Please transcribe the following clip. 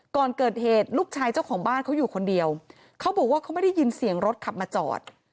ก่อนเกิดเหตุลูกชายเจ้าของบ้านเขาอยู่คนเดียวเขาบอกว่าเขาไม่ได้ยินเสียงรถขับมาจอด